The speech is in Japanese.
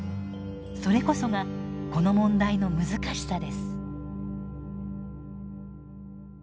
それこそがこの問題の難しさです。